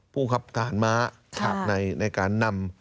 ครับทหารม้าในการนำ